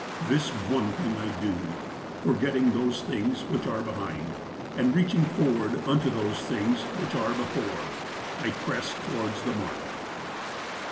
'' This one thing I do, forgetting those things which are behind, and reaching forward unto those things which are before, I press towards the mark."